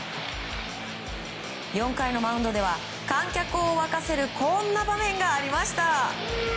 ４回のマウンドでは観客を沸かせるこんな場面がありました。